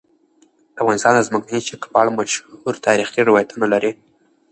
افغانستان د ځمکنی شکل په اړه مشهور تاریخی روایتونه لري.